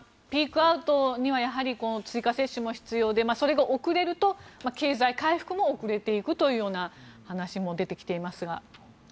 ピークアウトにはやはり追加接種も必要でそれが遅れると経済回復も遅れていくというような話も出てきていますが。